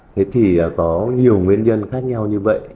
thế thì có nhiều nguyên nhân khác nhau như vậy